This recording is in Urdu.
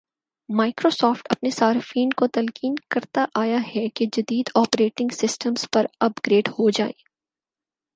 مائیکروسافٹ اپنے صارفین کو تلقین کرتا آیا ہے کہ جدید آپریٹنگ سسٹمز پر اپ گریڈ ہوجائیں